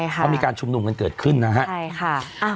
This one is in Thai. มันมีการชุมหนุ่มเกิดขึ้นนะครับ